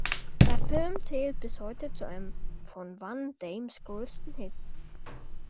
Der Film zählt bis heute zu einem von Van Dammes größten Hits.